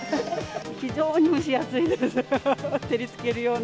非常に蒸し暑いです。